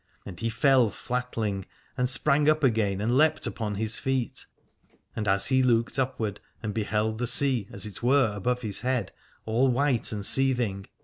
And he fell flatling, and sprang up again and leapt upon his feet : and he looked upward, and beheld the sea, as it were above his head, all white and seething.